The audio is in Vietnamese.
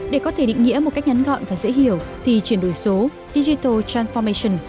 để có thể định nghĩa một cách nhắn gọn và dễ hiểu thì chuyển đổi số digital transformation